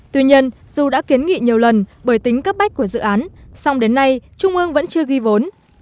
tuy nhiên dù đã kiến nghị nhiều lần bởi tính cấp bách của dự án song đến nay trung ương vẫn chưa ghi vốn